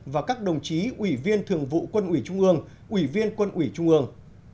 và các đồng chí ủy viên thường vụ quân ủy trung ương ủy viên quân ủy trung ương